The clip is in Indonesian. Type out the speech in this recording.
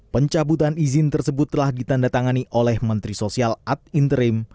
pencabutan izin tersebut telah ditandatangani oleh menteri sosial ad interim